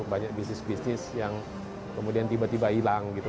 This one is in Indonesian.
banyak bisnis bisnis yang kemudian tiba tiba hilang gitu